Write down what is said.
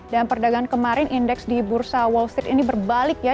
dan perdagangan kemarin indeks di bursa wall street ini berbalik ya